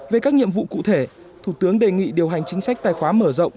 về các nhiệm vụ cụ thể thủ tướng đề nghị điều hành chính sách tài khoá mở rộng